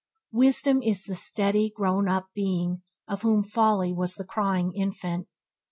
Wisdom is the steady, grown up being of whom folly was the crying infant.